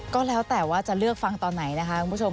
ก็แล้วแต่ว่าจะเลือกฟังตอนไหนนะคะคุณผู้ชม